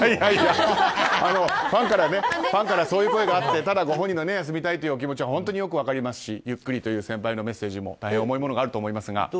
ファンからそういう声があってただ、ご本人が休みたいという気持ちも本当によく分かりますしゆっくりという先輩のメッセージも大変重いものがあると思いますが。